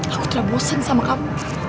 aku terlalu bosan sama kamu